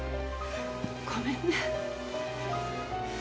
ごめんね。